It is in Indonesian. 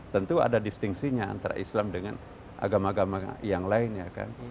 tentu ada distingsinya antara islam dengan agama agama yang lainnya kan